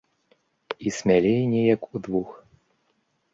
І смялей неяк удвух.